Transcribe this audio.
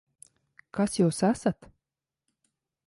Kas jūs esat?